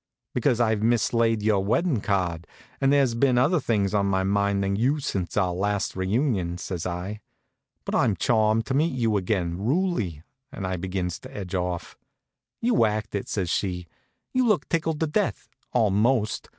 "Because I've mislaid your weddin' card, and there's been other things on my mind than you since our last reunion," says I. "But I'm chawmed to meet you again, rully," and I begins to edge off. "You act it," says she. "You look tickled to death almost.